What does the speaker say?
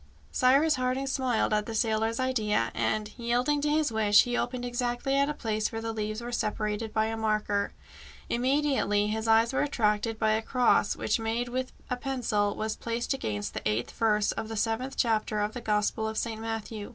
Cyrus Harding smiled at the sailor's idea, and, yielding to his wish, he opened exactly at a place where the leaves were separated by a marker. Immediately his eyes were attracted by a cross which, made with a pencil, was placed against the eighth verse of the seventh chapter of the Gospel of St. Matthew.